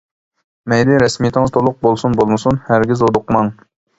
مەيلى رەسمىيىتىڭىز تولۇق بولسۇن بولمىسۇن ھەرگىز ھودۇقماڭ.